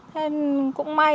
thế cũng may